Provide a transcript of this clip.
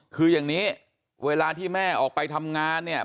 คืออย่างนี้เวลาที่แม่ออกไปทำงานเนี่ย